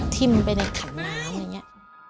ทิ้มไปในถังน้ำอย่างนี้